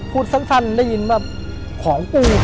พูดสั้นได้ยินว่าของกู